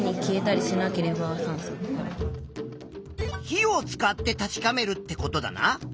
火を使って確かめるってことだな。